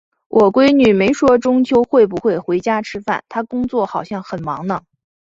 我闺女没说中秋会不会回家吃饭，她工作好像很忙呢。